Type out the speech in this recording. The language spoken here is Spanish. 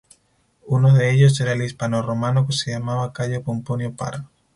Uno de ellos era el hispanorromano que se llamaba Cayo Pomponio Parra.